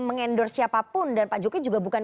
mengendorse siapapun dan pak jokowi juga bukan